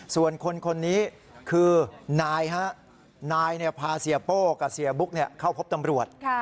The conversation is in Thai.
ส่วนคนนี้คือนายพาเสียโป้กับเสียบุ๊กเข้าพบตำรวจ